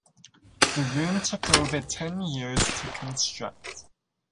The room took over ten years to construct.